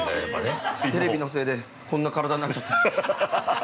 ◆テレビのせいでこんな体になっちゃった。